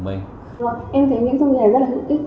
vâng em thấy những thông tin này rất là hữu ích